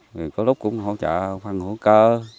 rồi có lúc cũng hỗ trợ phân hữu cơ